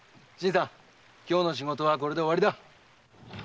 今日の仕事はこれで終わりだ。